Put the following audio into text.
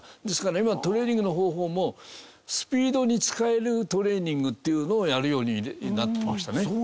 ですから今トレーニングの方法もスピードに使えるトレーニングっていうのをやるようになってきましたね。